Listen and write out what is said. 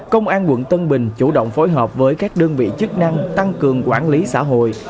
công an quận tân bình chủ động phối hợp với các đơn vị chức năng tăng cường quản lý xã hội